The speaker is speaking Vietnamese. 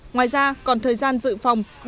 ngoài ra còn thời gian dự phòng